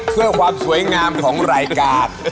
เพื่อความสวยงามของรายการ